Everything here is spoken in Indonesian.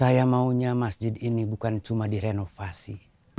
saya maunya masjid ini bukan cuma direnovasi